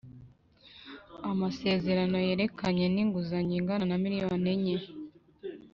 Amasezerano yerekeranye n’inguzanyo ingana na miliyoni enye